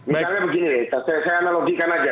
misalnya begini saya analogikan aja